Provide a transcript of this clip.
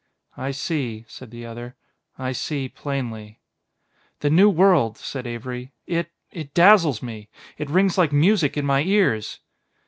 "I see," said the other; "I see plainly." "The new world," said Avery. "It it dazzles me; it rings like music in my ears."